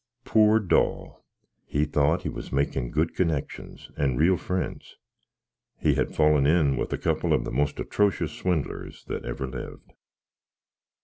Poor Daw! he thought he was makin good connexions, and real friends he had fallen in with a couple of the most etrocious swinlers that ever lived.